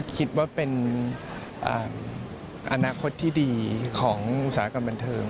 คิดว่าเป็นอนาคตที่ดีของอุตสาหกรรมบันเทิง